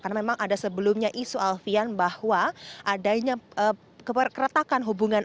karena memang ada sebelumnya isu alfian bahwa adanya keretakan hubungan